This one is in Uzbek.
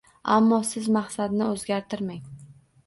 Ammo siz maqsadni o’zgartirmang